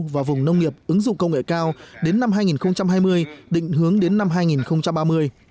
và vùng nông nghiệp ứng dụng công nghệ cao đến năm hai nghìn hai mươi định hướng đến năm hai nghìn ba mươi